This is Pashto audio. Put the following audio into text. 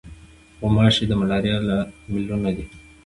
غوماشې د ملاریا له لاملونو دي.